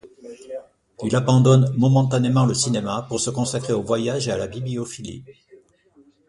Il abandonne momentanément le cinéma pour se consacrer aux voyages et à la bibliophilie.